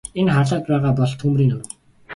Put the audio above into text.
Энэ харлаад байгаа бол түймрийн нурам.